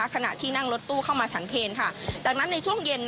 ขณะที่นั่งรถตู้เข้ามาฉันเพลจากนั้นในช่วงเย็น